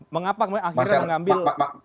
mengapa akhirnya mengambil